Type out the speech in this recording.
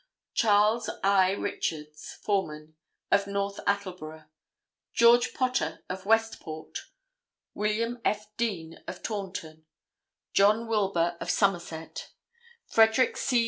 Charles I. Richards, foreman, of North Attleboro; George Potter of Westport; William F. Deane of Taunton; John Wilbur of Somerset; Frederick C.